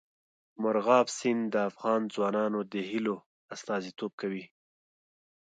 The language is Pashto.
مورغاب سیند د افغان ځوانانو د هیلو استازیتوب کوي.